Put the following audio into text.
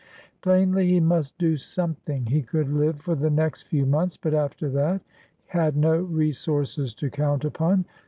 Plainly, he must do something. He could live for the next few months, but, after that, had no resources to count upon.